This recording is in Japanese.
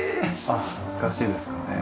ああ懐かしいですかね。